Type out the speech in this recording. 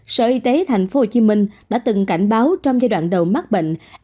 sở y tế tp hcm đã từng cảnh báo trong giai đoạn đầu mắc bệnh